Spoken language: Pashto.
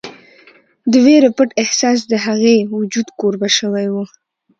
د وېرې پټ احساس د هغې وجود کوربه شوی و